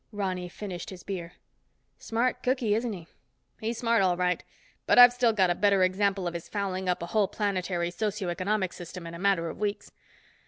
Ronny finished his beer. "Smart cooky, isn't he?" "He's smart all right. But I've got a still better example of his fouling up a whole planetary socio economic system in a matter of weeks.